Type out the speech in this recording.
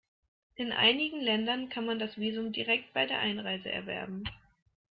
In einigen Ländern kann man das Visum direkt bei der Einreise erwerben.